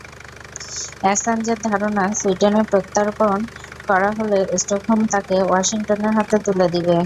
অ্যাসাঞ্জের ধারণা, সুইডেনে প্রত্যর্পণ করা হলে স্টকহোম তাঁকে ওয়াশিংটনের হাতে তুলে দেবে।